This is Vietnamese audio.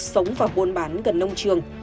sống vào bồn bán gần nông trường